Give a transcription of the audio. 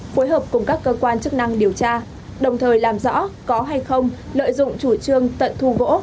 phối hợp cùng các cơ quan chức năng điều tra đồng thời làm rõ có hay không lợi dụng chủ trương tận thu gỗ